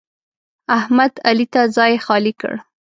احمد؛ علي ته ځای خالي کړ.